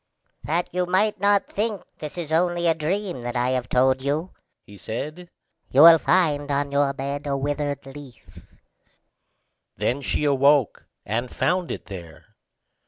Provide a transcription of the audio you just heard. "That you may not think this is only a dream that I have told you," he said, "you will find on your bed a withered leaf." Then she awoke, and found it there.